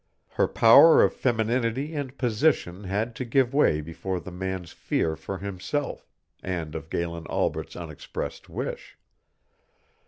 Her power of femininity and position had to give way before the man's fear for himself and of Galen Albret's unexpressed wish.